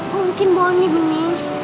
mungkin bonny bening